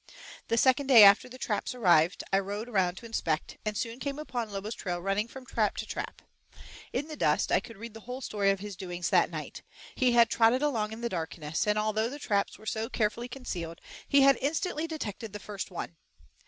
The second day after the traps arrived, I rode around to inspect, and soon came upon Lobo's trail running from trap to trap. In the dust I could read the whole story of his doings that night. He had trotted along in the darkness, and although the traps were so carefully concealed, he had instantly detected the first one.